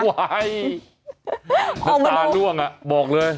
เว้ยมันตาล่วงอะบอกเลย